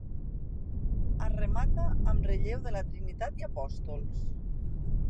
Es remata amb relleu de la Trinitat i Apòstols.